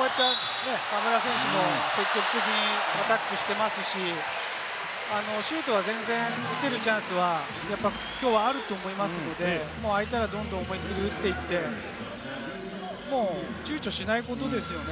河村選手も積極的にアタックしてますし、シュートは全然打てるチャンスはきょうはあると思いますので、空いたらどんどん打っていって、ちゅうちょしないことですよね。